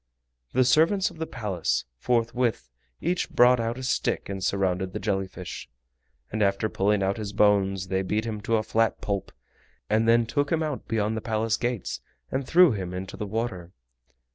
The servants of the Palace forthwith each brought out a stick and surrounded the jelly fish, and after pulling out his bones they beat him to a flat pulp, and then took him out beyond the Palace gates and threw him into the water.